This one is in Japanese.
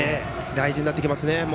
大事になってきますね。